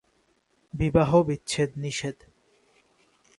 বিবাহ বিচ্ছেদ নিষেধ।